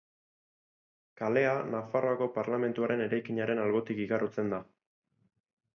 Kalea Nafarroako Parlamentuaren eraikinaren albotik igarotzen da.